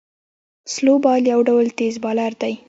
سلو بال یو ډول تېز بالر دئ.